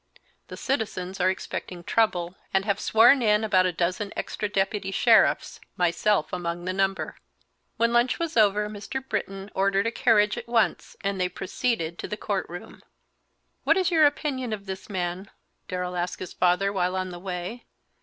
"The citizens are expecting trouble and have sworn in about a dozen extra deputy sheriffs, myself among the number." When lunch was over Mr. Britton ordered a carriage at once, and they proceeded to the court room. "What is your opinion of this man?" Darrell asked his father, while on the way.